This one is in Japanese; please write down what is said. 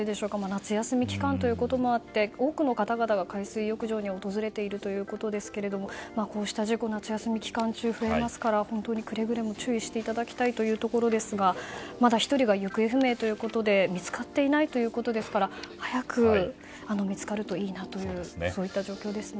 夏休み期間ということもあって多くの方々が海水浴場に訪れているということですがこうした事故夏休み期間中、増えますから本当にくれぐれも注意していただきたいということですがまだ１人が行方不明ということで見つかっていないということですから早く見つかるといいなというそういった状況ですね。